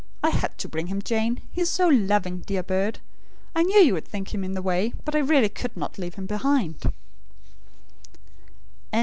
I had to bring him, Jane. He is so LOVING, dear bird! I knew you would think him in the way; but I really could not leave him behind."